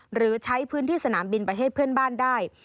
หรือใช้พื้นที่สนามบินประเทศเพื่อนบ้านได้